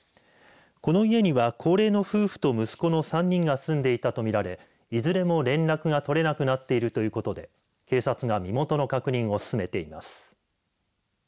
この家には高齢の夫婦と息子の３人が住んでいたとみられいずれも連絡が取れなくなっているということで警察が身元の確認を進めています。